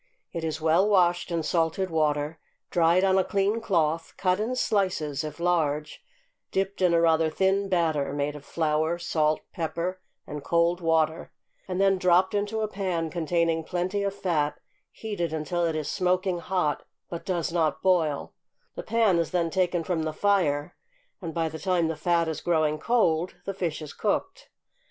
It is well washed in salted water, dried on a clean cloth, cut in slices if large, dipped in a rather thin batter, made of flour, salt, pepper, and cold water, and then dropped into a pan containing plenty of fat heated until it is smoking hot, but does not boil; the pan is then taken from the fire, and by the time the fat is growing cool the fish is cooked.